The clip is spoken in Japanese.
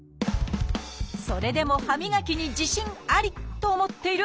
それでも「歯みがきに自信あり！」と思っているあなた。